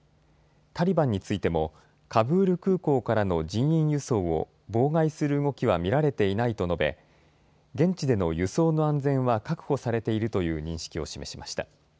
タリバンについてもカブール空港からの人員輸送を妨害する動きは見られていないと述べ現地での輸送の安全は確保されているという認識を示しました。